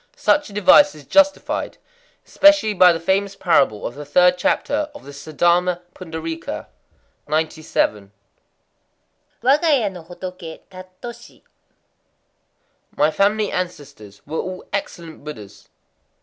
Such a device is justified especially by the famous parable of the third chapter of the Saddharma Pundarîka. 97.—Waga ya no hotoké tattoshi. My family ancestors were all excellent Buddhas.